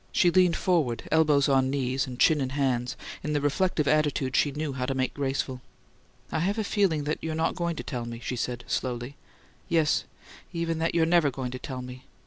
She leaned forward, elbows on knees and chin in hands, in the reflective attitude she knew how to make graceful. "I have a feeling that you're not going to tell me," she said, slowly. "Yes even that you're never going to tell me.